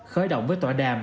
khởi động với tòa đàm